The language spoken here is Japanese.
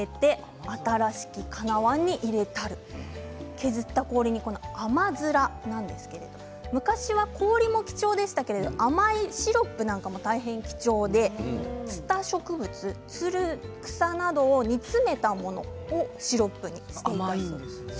削った氷にあまづらなんですけれども昔は氷も貴重で甘いシロップも大変貴重でツタ植物つる草などを煮詰めたものをシロップにしていたということです。